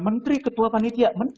menteri ketua panitia